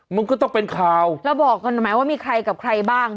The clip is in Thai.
มันก็ต้องเป็นข่าวแล้วบอกกันหน่อยไหมว่ามีใครกับใครบ้าง